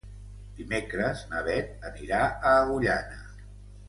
Dimecres na Beth anirà a Agullana.